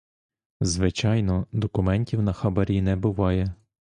Звичайно, документів на хабарі не буває.